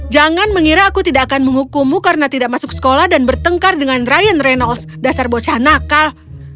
jangan mengira aku tidak akan menghukummu karena tidak masuk sekolah dan bertengkar dengan ryan renos dasar bocah nakal